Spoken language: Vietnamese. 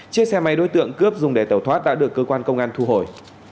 chiếc xe máy đối tượng cướp dùng để tẩu thoát đã được cơ quan công an thu hồi